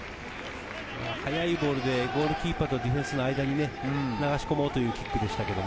速いボールでゴールキーパーとディフェンスの間に流し込もうというキックでした。